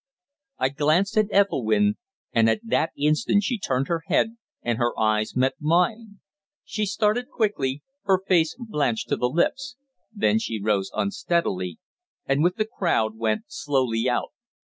I glanced at Ethelwynn, and at that instant she turned her head, and her eyes met mine. She started quickly, her face blanched to the lips; then she rose unsteadily, and with the crowd went slowly out.